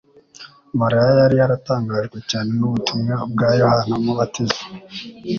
Mariya yari yaratangajwe cyane n'ubutumwa bwa Yohana Umubatiza;